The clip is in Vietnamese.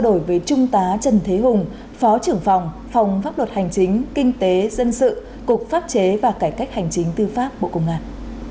đối với trung tá trần thế hùng phó trưởng phòng phòng pháp luật hành chính kinh tế dân sự cục pháp chế và cải cách hành chính tư pháp bộ công an